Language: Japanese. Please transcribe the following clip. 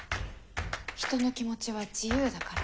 人の気持ちは自由だから。